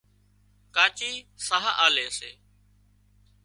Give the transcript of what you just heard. ڪاچي ساهَه آلي سي